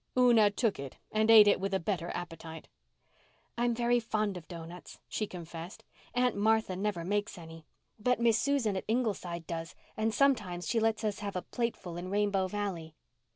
Una took it and ate it with a better appetite. "I'm very fond of doughnuts," she confessed "Aunt Martha never makes any. But Miss Susan at Ingleside does, and sometimes she lets us have a plateful in Rainbow Valley.